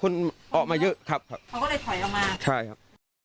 ใช่ครับใช่ครับ